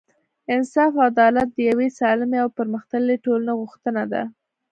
انصاف او عدالت د یوې سالمې او پرمختللې ټولنې غوښتنه ده.